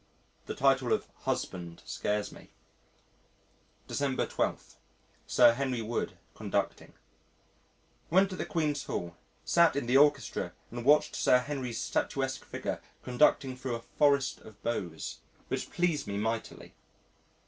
The title of "husband" scares me. December 12. Sir Henry Wood conducting Went to the Queen's Hall, sat in the Orchestra and watched Sir Henry's statuesque figure conducting thro' a forest of bows, "which pleased me mightily."